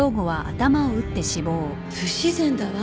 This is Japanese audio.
不自然だわ。